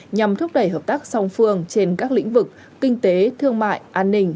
nhằm thúc đẩy hợp tác song phương trên các lĩnh vực kinh tế thương mại an ninh